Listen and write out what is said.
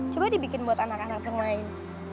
coba dibikin buat anak anak yang lain